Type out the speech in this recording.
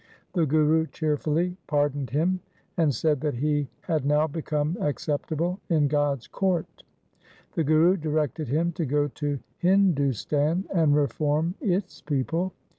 The Guru cheerfully pardoned him, and said that he had now become acceptable in God's court. The Guru directed him to go to Hindustan and reform its people.